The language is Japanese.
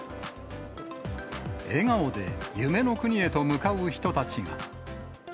笑顔で夢の国へと向かう人たちが。